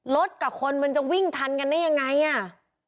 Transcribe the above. รถกับคนมันจะวิ่งทันกันได้ยังไงอ่ะ